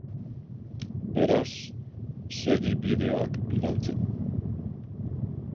Beraz, segi bideoak bidaltzen.